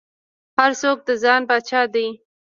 هر څوک د ځان پاچا دى.